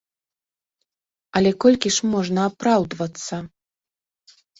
Але колькі ж можна апраўдвацца?